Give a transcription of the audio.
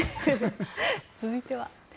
続いては。